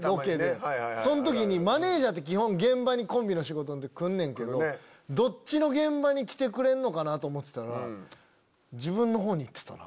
その時にマネジャーって基本現場にコンビの仕事の時来んねんけどどっちの現場に来てくれんのかなと思ってたら自分のほうに行ってたな。